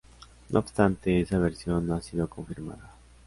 No obstante, esa versión no ha sido confirmada.